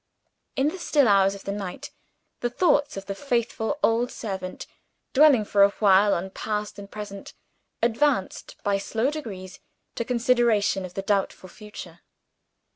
In the still hours of the night, the thoughts of the faithful old servant dwelling for a while on past and present advanced, by slow degrees, to consideration of the doubtful future.